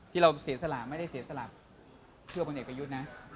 ที่เราเสียสละมากไปรึเปล่า